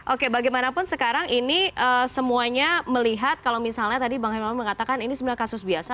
oke bagaimanapun sekarang ini semuanya melihat kalau misalnya tadi bang hermawan mengatakan ini sebenarnya kasus biasa